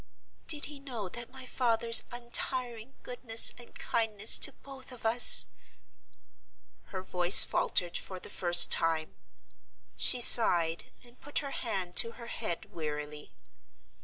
"Did he know that my father's untiring goodness and kindness to both of us—" Her voice faltered for the first time: she sighed, and put her hand to her head wearily.